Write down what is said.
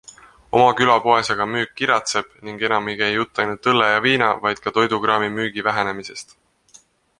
Oma külapoes aga müük kiratseb ning enam ei käi jutt ainult õlle ja viina, vaid ka toidukraami müügi vähenemisest.